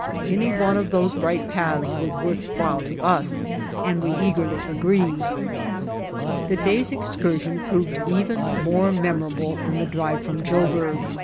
Any one of those bright paths was worth while to us, and we eagerly agreed. That day's excursion proved even more memorable than the drive from Joburg.